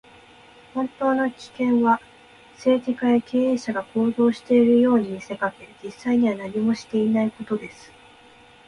本当の危険は、政治家や経営者が行動しているように見せかけ、実際には何もしていないことです。